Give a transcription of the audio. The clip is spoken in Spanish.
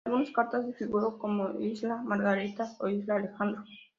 En algunas cartas figuró como "isla Margarita" o "isla Alejandro".